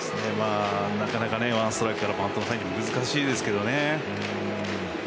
なかなかワンストライクからバントのタイミングって難しいですけどね。